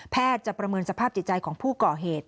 จะประเมินสภาพจิตใจของผู้ก่อเหตุ